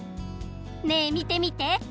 ねえみてみて。